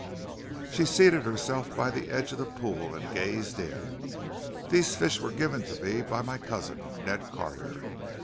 She seated herself by the edge of the pool, and gazed in. "These fish were given to me by my cousin, Ned Carter.